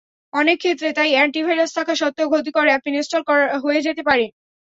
অনেক ক্ষেত্রে তাই অ্যান্টিভাইরাস থাকা সত্ত্বেও ক্ষতিকর অ্যাপ ইনস্টল হয়ে যেতে পারে।